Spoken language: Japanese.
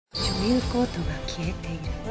女優コートが消えている？